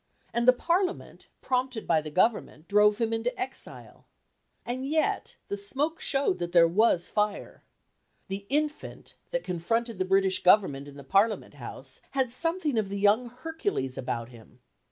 And the Parliament, prompted by the Government, drove him into exile. And yet the smoke showed that there was fire. The infant, that confronted the British Government in the Parliament House, had something of the young Hercules about him.